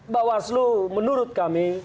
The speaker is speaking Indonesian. mbak waslu menurut kami